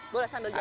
boleh sambil jalan